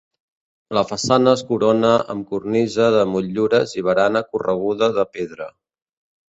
La façana es corona amb cornisa de motllures i barana correguda de pedra.